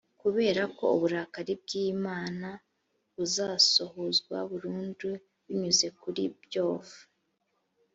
kubera ko uburakari bw’imana buzasohozwa burundu binyuze kuri byof